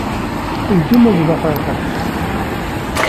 Ldi Mozilla Firefox.